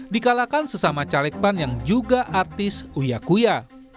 dikalahkan sesama caleg pan yang juga artis uyakuya